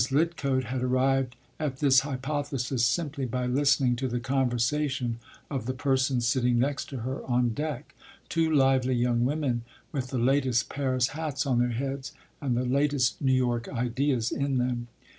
Lidcote had arrived at this hypothesis simply by listening to the conversation of the persons sitting next to her on deck two lively young women with the latest Paris hats on their heads and the latest New York ideas in them.